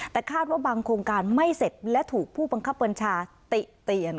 แต่คาดว่าบางโครงการไม่เสร็จและถูกผู้บังคับบัญชาติเตียน